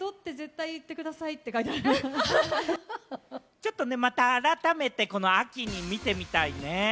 ちょっとまた改めて、この秋に見てみたいね。